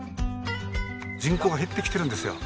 人口が減ってきてるんですよ。